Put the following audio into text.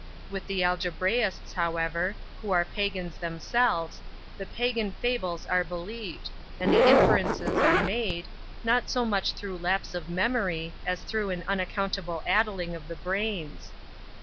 With the algebraists, however, who are Pagans themselves, the 'Pagan fables' are believed, and the inferences are made, not so much through lapse of memory, as through an unaccountable addling of the brains.